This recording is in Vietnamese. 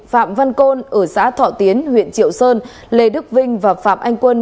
phạm văn côn ở xã thọ tiến huyện triệu sơn lê đức vinh và phạm anh quân